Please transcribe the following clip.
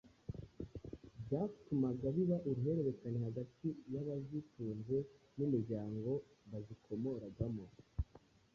byatumaga biba uruhurerekane hagati y'abazitunze n'imiryango bazikomoragamo.